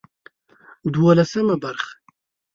دولسمه برخه